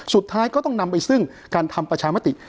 สุดท้ายก็ต้องนำไปซึ่งการทำประชามติ